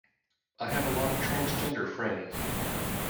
I have a lot of transgender friends